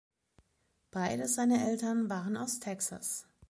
Beide seine Eltern waren aus Texas.